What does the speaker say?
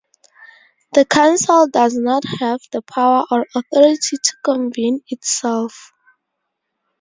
The council does not have the power or authority to convene itself.